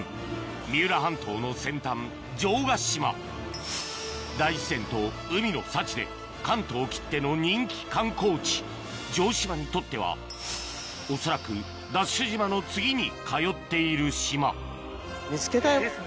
三浦半島の先端城ヶ島大自然と海の幸で関東きっての人気観光地城島にとっては恐らくＤＡＳＨ島の次に通っている島見つけたい。ですね。